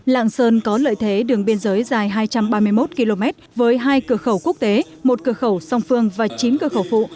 lạng sơn có lợi thế đường biên giới dài hai trăm ba mươi một km với hai cửa khẩu quốc tế một cửa khẩu song phương và chín cửa khẩu phụ